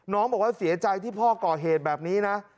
น้องบอกว่าเสียใจที่พ่อก่อเหตุแบบนี้นะ